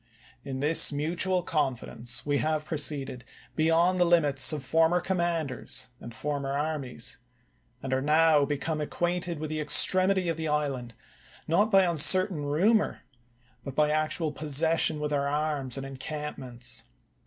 In this mutual confidence, we have proceeded be yond the limits of former commanders and for mer armies ; and are now become acquainted with the extremity of the island, not by uncertain ru mor, but by actual possession with our arms and encampments.